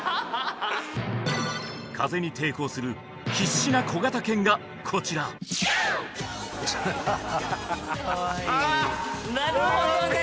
風に抵抗する必死な小型犬がこちらなるほどね